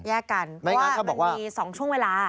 แยกกันเพราะว่ามันมี๒ช่วงเวลา